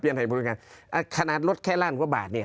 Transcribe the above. เปลี่ยนให้บริการอ่ะขนาดรถแค่ล้านหัวบาทเนี่ย